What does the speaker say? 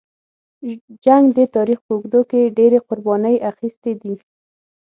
جنګ د تاریخ په اوږدو کې ډېرې قربانۍ اخیستې دي.